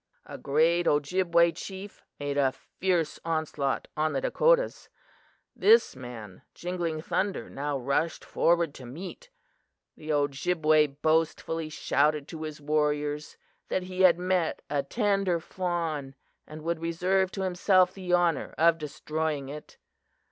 "A great Ojibway chief made a fierce onslaught on the Dakotas. This man Jingling Thunder now rushed forward to meet. The Ojibway boastfully shouted to his warriors that he had met a tender fawn and would reserve to himself the honor of destroying it.